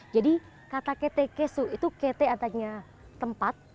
jadi kata kt kesu itu kt antaranya tempat